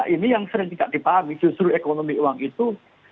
ini yang sering tidak dipahami justru ekonomi uang itu